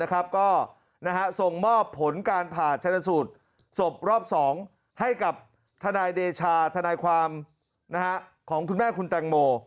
ก็ส่งมอบผลการผ่าชนสูตรศพรอบ๒ให้กับทนายเดชาธนายความของคุณแม่คุณแตงโม